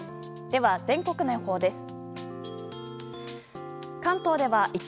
では、全国の予報です。